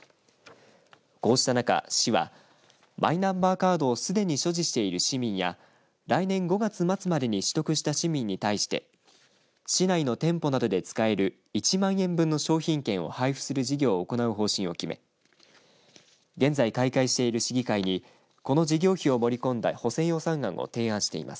こうした中、市はマイナンバーカードをすでに所持している市民や来年５月末までに取得した市民に対して市内の店舗などで使える１万円分の商品券を配付する事業を行う方針を決め現在、開会している市議会にこの事業費を盛り込んだ補正予算案を提案しています。